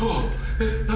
えっ何？